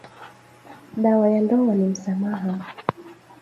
Dawa ya ndowa ni musamaha